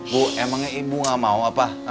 bu emangnya ibu gak mau apa